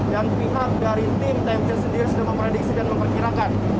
pihak dari tim tmp sendiri sudah memprediksi dan memperkirakan